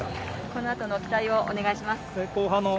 このあとの期待をお願いします。